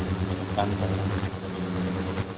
Me encanta salir.